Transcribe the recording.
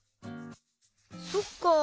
そっか。